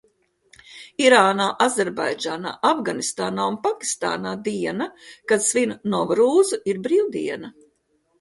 Irānā, Azerbaidžānā, Afganistānā un Pakistānā diena, kad svin Novrūzu, ir brīvdiena.